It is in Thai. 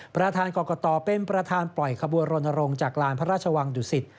ประธานกรกตเป็นประธานปล่อยขบวนรณรงค์จากลานพระราชวังดุสิต